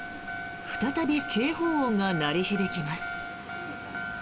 再び警報音が鳴り響きます。